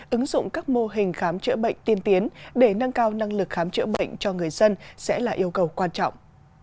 ứng dụng các mô hình khám chữa bệnh tiên tiến để nâng cao năng lực khám chữa bệnh cho người dân sẽ là yêu cầu quan trọng